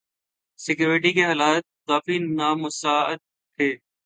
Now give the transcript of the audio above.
security کے حالات کافی نامساعد تھے